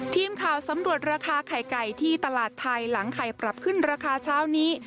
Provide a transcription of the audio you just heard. ทีมข่าวสำรวจราคาไข่ไก่ที่ตลาดไทยหลังไข่ปรับขึ้นราคาเช้านี้